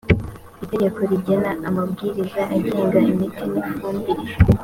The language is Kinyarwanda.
itegeko rigena amabwiriza agenga imiti n ifumbire